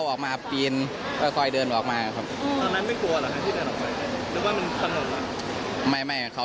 ไม่เขายังมีกันอยู่นะครับปลอดภัยครับ